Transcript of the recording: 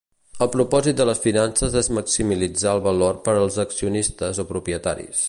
El propòsit de les finances és maximitzar el valor per als accionistes o propietaris.